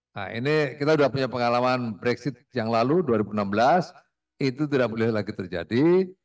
nah ini kita sudah punya pengalaman brexit yang lalu dua ribu enam belas itu tidak boleh lagi terjadi